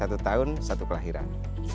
satu tahun satu kelahiran